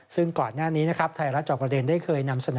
ซึ่งก่อนหน้านี้นะครับไทยรัฐจอบประเด็นได้เคยนำเสนอ